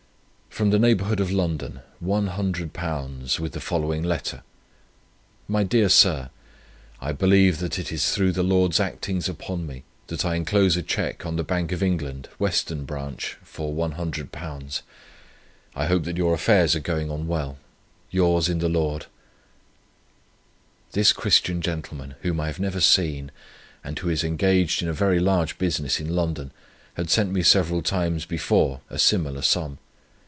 From the neighbourhood of London £100, with the following letter: 'My dear Sir, I believe that it is through the Lord's actings upon me, that I enclose you a cheque on the Bank of England, Western Branch, for £100. I hope that your affairs are going on well. Yours in the Lord .' This Christian gentleman, whom I have never seen, and who is engaged in a very large business in London, had sent me several times before a similar sum.